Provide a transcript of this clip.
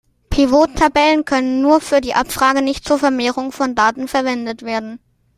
Pivot-Tabellen können nur für die Abfrage, nicht zur Vermehrung von Daten verwendet werden.